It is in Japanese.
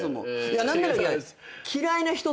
何なら。